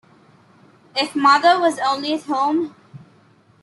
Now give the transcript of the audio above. If mother was only at home!